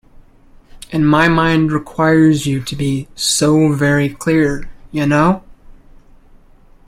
And my mind requires to be so very clear, you know!